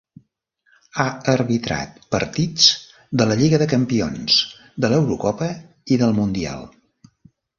Ha arbitrat partits de la Lliga de Campions, de l'Eurocopa i del Mundial.